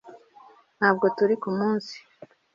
Ntabwo turi ku munsi